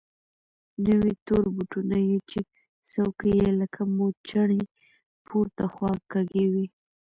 نوي تور بوټونه يې چې څوکې يې لکه موچڼې پورته خوا کږې وې.